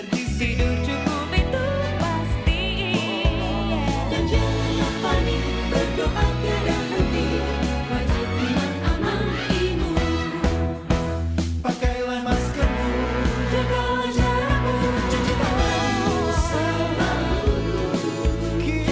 terima kasih sekali lagi